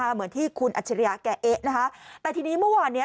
เหมือนที่คุณอัจฉริยะแก่เอ๊ะนะคะแต่ทีนี้เมื่อวานเนี้ย